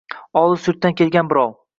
Olis yurtdan kelgan birov